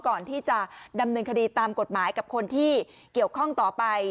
ก่อนที่จะดำเนินคดีตามกฎหมายกับคนที่เกี่ยวข้องต่อไป